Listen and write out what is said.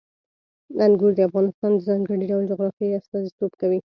انګور د افغانستان د ځانګړي ډول جغرافیې استازیتوب کوي.